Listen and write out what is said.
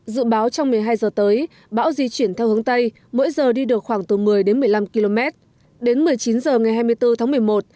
dự báo trong một mươi hai giờ tới bão di chuyển theo hướng tây mỗi giờ đi được khoảng từ một mươi đến một mươi năm km đến một mươi chín h ngày hai mươi bốn tháng một mươi một